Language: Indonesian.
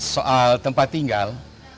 soal tempat tinggal